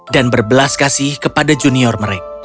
dan berbelas kasih kepada junior mereka